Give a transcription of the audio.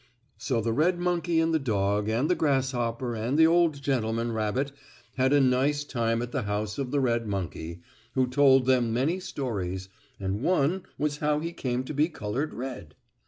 So the red monkey and the dog and the grasshopper and the old gentleman rabbit had a nice time at the house of the red monkey, who told them many stories, and one was how he came to be colored red.